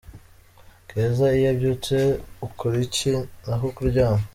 Keza, iyo ubyutse ukora iki? Naho kuryama?.